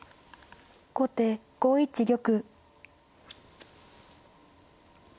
後手５一玉。